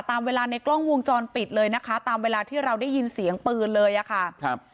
ตามเวลาในกล้องวงจรปิดเลยนะคะตามเวลาที่เราได้ยินเสียงปืนเลยอ่ะค่ะครับ